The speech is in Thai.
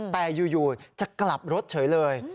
แต่อยู่จะกลับรถเฉยเลย